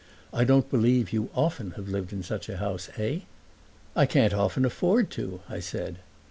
"I don't believe you often have lived in such a house, eh?" "I can't often afford to!" I said.